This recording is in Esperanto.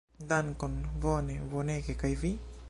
Dankon, bone, bonege, kaj vi?